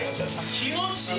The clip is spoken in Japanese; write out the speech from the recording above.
気持ちいい！